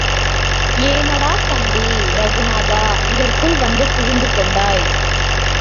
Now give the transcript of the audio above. ஏன் அடா தம்பி, ரகுநாதா, இதற்குள் வந்து புகுந்து கொண்டாய்?